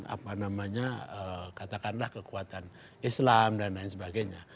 apa namanya katakanlah kekuatan islam dan lain sebagainya